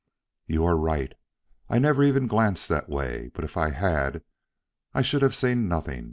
"You are right. I never even glanced that way. But if I had, I should have seen nothing.